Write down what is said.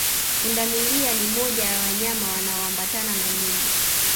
Pundamilia ni moja wa wanyama wanaoambatana na nyumbu